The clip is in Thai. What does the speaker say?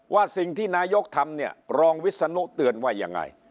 ว่าสิ่งที่นายกทำเนี่ยรองวิศนุเตือนว่ายังไง